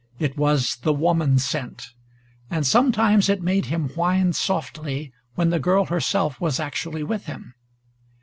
It was the woman scent, and sometimes it made him whine softly when the girl herself was actually with him.